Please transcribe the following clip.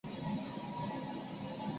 天会五年历成。